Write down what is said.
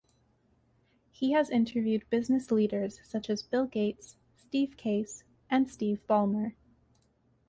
He has interviewed business leaders such as Bill Gates, Steve Case, and Steve Ballmer.